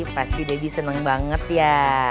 pasti debi seneng banget ya